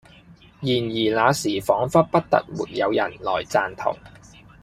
然而那時仿佛不特沒有人來贊同，